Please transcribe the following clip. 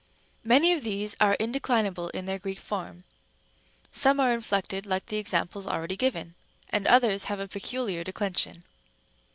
Rem. Many of these are indeclinable in their Greek form, some are inflected like the examples already given, and others have a peculiar declension.